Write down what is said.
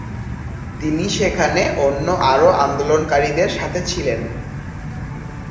তিনি সেখানে অন্য আরো আন্দোলনকারীদের সাথে ছিলেন।